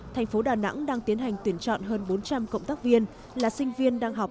thành phố đà nẵng đang tiến hành tuyển chọn hơn bốn trăm linh cộng tác viên là sinh viên đang học